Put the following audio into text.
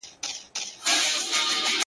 شمعي که بلېږې نن دي وار دی بیا به نه وینو -